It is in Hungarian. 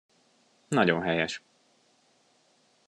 Nagyon helyes.